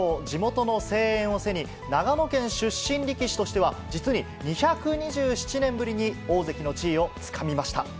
地元の声援を背に、長野県出身力士としては実に２２７年ぶりに大関の地位をつかみました。